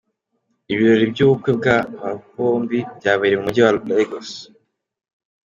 Ibirori by’ubukwe bw’aba bombi byabereye mu Mujyi wa Lagos.